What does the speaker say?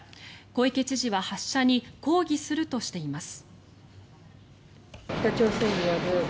小池知事は発射に抗議するとしています。